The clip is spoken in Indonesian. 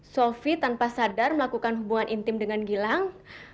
sofi tanpa sadar melakukan hubungan intim dengan gilang